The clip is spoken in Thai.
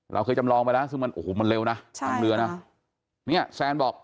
เราเคยจำลองไปแล้วซึ่งมันโอ้โหมันเร็วนะทางเรือนะเนี่ยแซนบอก